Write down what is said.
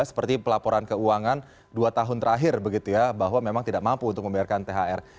seperti pelaporan keuangan dua tahun terakhir begitu ya bahwa memang tidak mampu untuk membayarkan thr